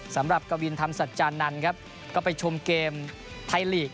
สำหรับกวินธรรมสัจจานันครับก็ไปชมเกมไทยลีก